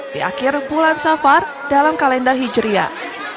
di akhir bulan safar dalam kalenda hijriah